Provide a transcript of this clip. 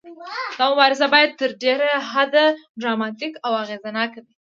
دا مبارزې باید تر ډیره حده ډراماتیکې او اغیزناکې وي.